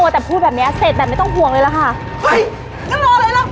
จุดประโยชน์